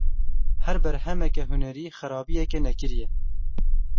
Her berhemeke hunerî, xerabiyeke nekirî ye.